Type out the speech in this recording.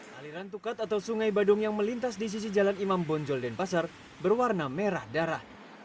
aliran tukat atau sungai badung yang melintas di sisi jalan imam bonjol denpasar berwarna merah darah